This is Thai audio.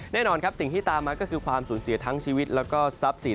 แน่นอนครับสิ่งที่ตามมาก็คือความสูญเสียทั้งชีวิตแล้วก็ทรัพย์สิน